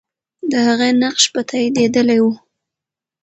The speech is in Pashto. د هغې نقش به تاییدېدلی وو.